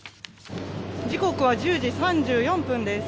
時刻は１０時３４分です。